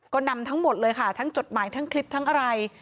ก็นำทั้งหมดเลยค่ะทั้งจดหมายทั้งคลิปทั้งอะไร